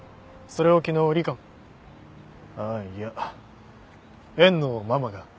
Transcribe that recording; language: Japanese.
それを昨日里香子あっいや縁のママが。